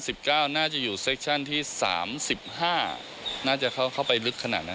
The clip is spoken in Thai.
เซ็คชั่น๑๙น่าจะอยู่เซ็คชั่นที่๓๕น่าจะเข้าไปลึกขนาดนั้น